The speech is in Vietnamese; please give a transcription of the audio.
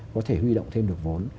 có thể huy động thêm được vốn